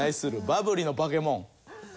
バブリーのバケモン。